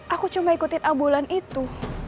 aku cuma ikutin ambulan itu